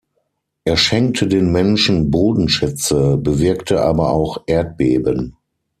Er schenkte den Menschen Bodenschätze, bewirkte aber auch Erdbeben.